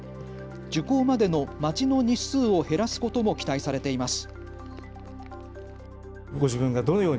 受講までの待ちの日数を減らすことも期待されています。